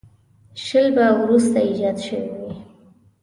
شل به وروسته ایجاد شوي وي.